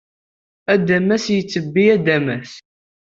Adamas yettebbi adamas.